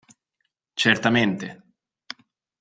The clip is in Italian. Certamente.